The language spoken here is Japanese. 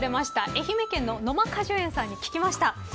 愛媛県ののま果樹園さんに聞きました。